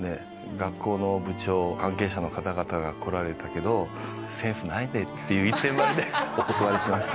学校の部長関係者の方々が来られたけどセンスないんでっていう一点張りでお断りしました。